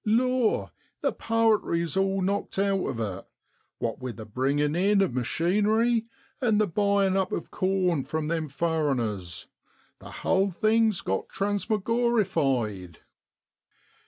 Law ! the powetry's all knocked out of it, what wi' the bringin' in of machinery, and the buyin' up of corn from them furriners, the hull (whole) thing's got transmorgorified.